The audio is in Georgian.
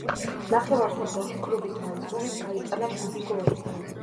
ნახევარ სეზონში კლუბის მაისურით გაიტანა შვიდი გოლი.